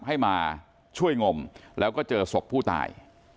ให้มาช่วยงมแล้วก็เจอศพผู้ตาย